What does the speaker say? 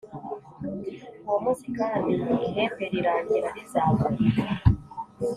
Uwo munsi kandi, ihembe rirangira rizavuga,